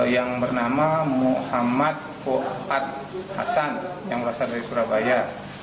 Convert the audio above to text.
yang bernama muhammad hasan yang berasal dari surabaya